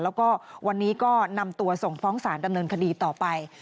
แล้วก็วันนี้ก็นำตัวส่งฟ้องสารดำเนินคดีต่อไป